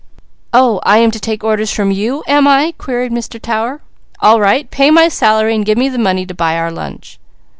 "Oh, I am to take orders from you, am I?" queried Mr. Tower. "All right! Pay my salary and give me the money to buy our lunch!"